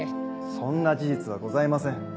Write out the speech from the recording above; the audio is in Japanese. そんな事実はございません。